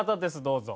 どうぞ。